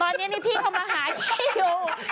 ตอนนี้พี่เขามาหาแย่อยู่